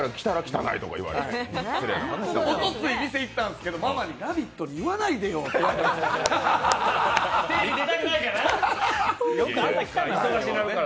おとつい店行ったんですけどママに「ラヴィット！」に言わないでよって言われましたから。